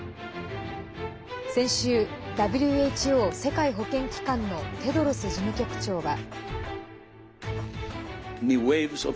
先週、ＷＨＯ＝世界保健機関のテドロス事務局長は。